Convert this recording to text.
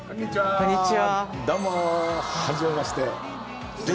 こんにちは。